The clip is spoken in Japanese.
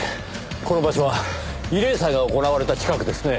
この場所は慰霊祭が行われた近くですねぇ。